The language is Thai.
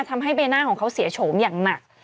ทำให้ใบหน้าของเขาเสียโฉมอย่างหนัก